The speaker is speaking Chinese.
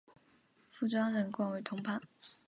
父张仁广为通判。